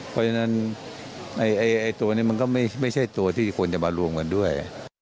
เพราะฉะนั้นตัวนี้มันก็ไม่ใช่ตัวที่ควรจะมารวมกันด้วย